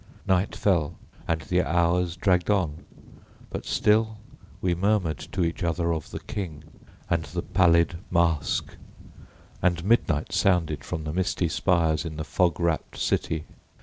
Night fell and the hours dragged on, but still we murmured to each other of the King and the Pallid Mask, and midnight sounded from the misty spires in the fog wrapped city.